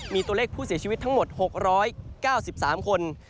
มีตัวเลขผู้เสียชีวิตทั้งหมด๖๙๓คน